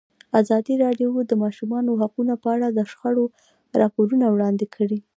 ازادي راډیو د د ماشومانو حقونه په اړه د شخړو راپورونه وړاندې کړي.